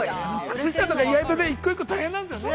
◆靴下とか意外とね一個一個、大変なんですよね。